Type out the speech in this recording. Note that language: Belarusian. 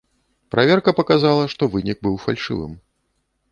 Праверка паказала, што выклік быў фальшывым.